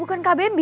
bukan kak bambi